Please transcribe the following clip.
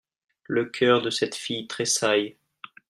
Le cœur de cette fille tréssaille.